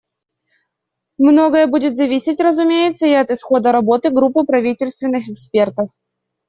Многое будет зависеть, разумеется, и от исхода работы группы правительственных экспертов.